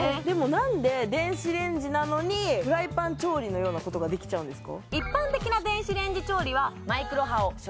なんで電子レンジなのにフライパン調理のようなことができちゃうんですか？